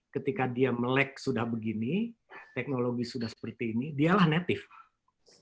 ketika dia melek sudah begini teknologi sudah seperti ini dialah native